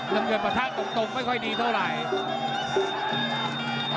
น้ำเงินประทะตรงไม่ค่อยดีเท่าไหร่